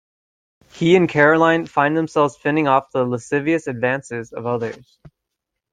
He and Caroline find themselves fending off the lascivious advances of others.